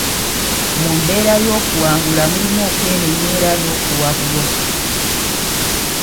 Mu mbeera y'okuwangula mulimu okwemenya era n'okuwabulwa.